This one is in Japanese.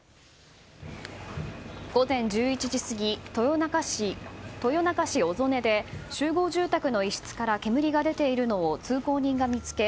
午前１１時過ぎ豊中市小曽根で集合住宅の一室から煙が出ているのを通行人が見つけ